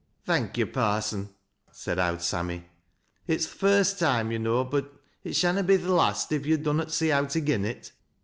" Thank yo', Parson," said " Owd Sammy." " It's th' first toime, yo' know, but it shanna be th' last, if yo' dun not see owt agen it.